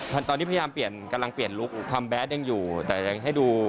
ตอนนี้พยายามเปลี่ยนกำลังเปลี่ยนลุคคัมแดดยังอยู่แต่ยังให้ดู